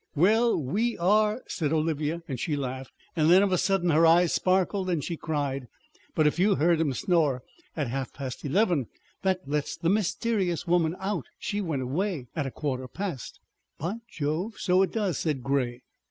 "Well, we are " said Olivia, and she laughed. Then of a sudden her eyes sparkled and she cried: "But if you heard him snore at half past eleven that lets the mysterious woman out. She went away at a quarter past." "By Jove! so it does," said Grey.